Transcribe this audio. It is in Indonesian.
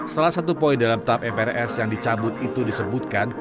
salah satu poin dalam tap mprs yang dicabut itu disebutkan